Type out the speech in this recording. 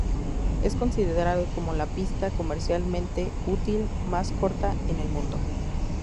Es considerado como la pista comercialmente útil más corta en el mundo.